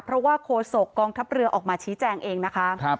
เพราะว่าโคศกกองทัพเรือออกมาชี้แจงเองนะคะ